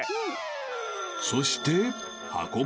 ［そして］